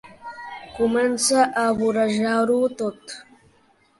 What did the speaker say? Comença a vorejar-ho tot.